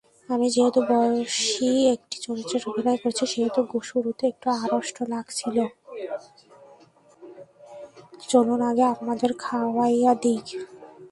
চলুন, আগে আপনাদের খাওয়াইয়া দিই।